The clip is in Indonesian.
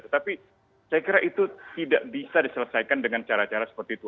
tetapi saya kira itu tidak bisa diselesaikan dengan cara cara seperti itu